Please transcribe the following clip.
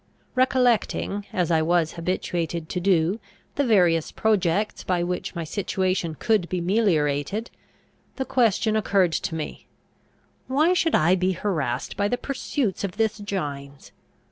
Recollecting, as I was habituated to do, the various projects by which my situation could be meliorated, the question occurred to me, "Why should I be harassed by the pursuits of this Gines?